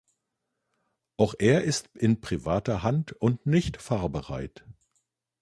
Auch er ist in privater Hand und nicht fahrbereit.